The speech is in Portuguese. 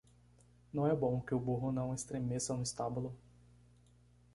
Não é bom que o burro não estremeça no estábulo.